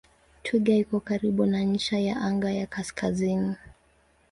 Twiga iko karibu na ncha ya anga ya kaskazini.